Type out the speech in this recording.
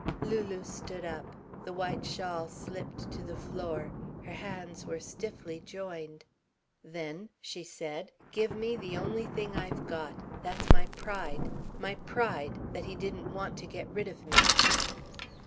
Lulu stood up. The white shawl slipped to the floor. Her hands were stiffly joined. "Then," she said, "give me the only thing I've got that's my pride. My pride that he didn't want to get rid of me."